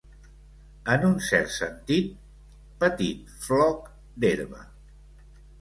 En un cert sentit, petit floc d'herba.